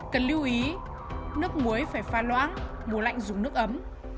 cần lưu ý nước muối phải pha loãng mùa lạnh dùng nước ấm